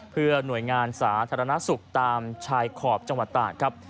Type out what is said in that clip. เพื่อหน่วยงานสาธารณสุขตามชายขอบจังหวัดตากครับ